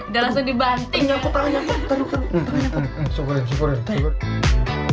dan sudah dibanting